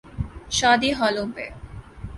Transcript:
شادی ہالوں پہ۔